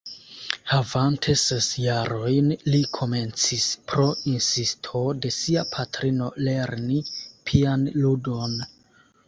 Havante ses jarojn li komencis pro insisto de sia patrino lerni pianludon.